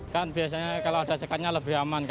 kan biasanya kalau ada sekatnya lebih aman